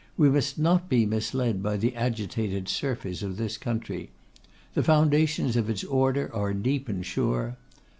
We must not be misled by the agitated surface of this country. The foundations of its order are deep and sure.